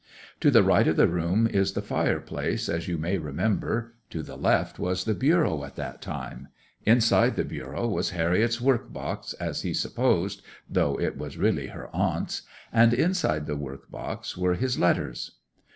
To the right of the room is the fireplace, as you may remember; to the left was the bureau at that time; inside the bureau was Harriet's work box, as he supposed (though it was really her aunt's), and inside the work box were his letters.